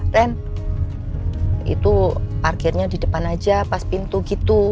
tan itu parkirnya di depan aja pas pintu gitu